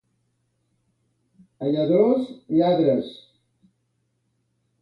A Lladrós, lladres.